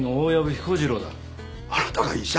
あなたが医者？